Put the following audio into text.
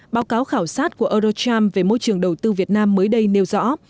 báo cáo khảo sát của eurocharm về môi trường đầu tư việt nam mới đây nêu rõ